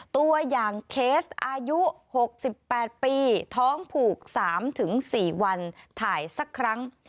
ตัวอย่างเคสอายุ๖๘ปีท้องผูก๓๔วันถ่ายสักครั้ง